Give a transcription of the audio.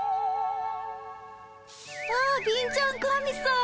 あ貧ちゃん神さん。